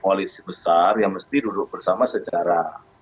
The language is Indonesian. koalisi besar ya mesti duduk bersama secara